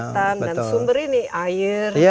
hutan dan sumber ini air